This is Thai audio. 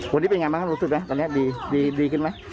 วันนี้เป็นยังไงรู้สึกไหมวันนี้ดีขึ้นไหม